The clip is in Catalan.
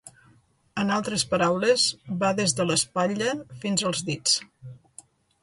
En altres paraules va des de l'espatlla fins als dits.